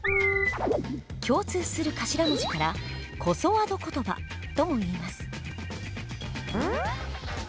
共通する頭文字から「こそあど言葉」ともいいます。